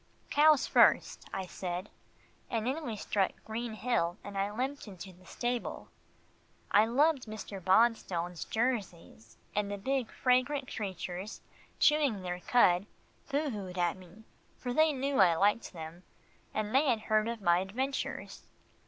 "Cows first," I said when we struck Green Hill, and I limped into the stable. I loved Mr. Bonstone's Jerseys, and the big fragrant creatures, chewing their cud, boo hooed at me, for they knew I liked them, and they had heard of my adventures.